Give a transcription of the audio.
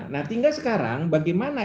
nah tinggal sekarang bagaimana